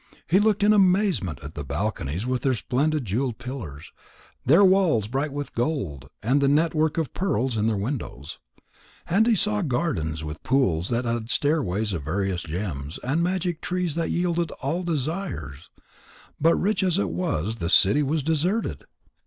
He looked in amazement at the balconies with their splendid jewelled pillars, their walls bright with gold, and the network of pearls in their windows. And he saw gardens with pools that had stairways of various gems, and magic trees that yielded all desires. But rich as it was, the city was deserted.